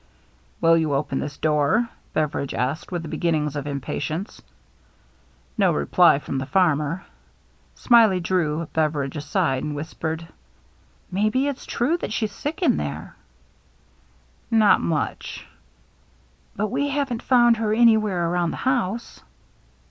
" Will you open this door ?" Beveridge asked, with the beginnings of impatience. No reply from the farmer. Smiley drew Beveridge aside and whispered, " Maybe it*s true that she's sick in there," 328 THE MERRT ANNE " Not much." " But we haven't found her anywhere around the house."